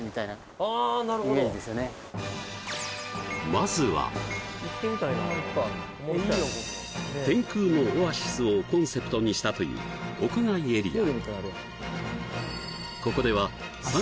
まずは天空のオアシスをコンセプトにしたという屋外エリア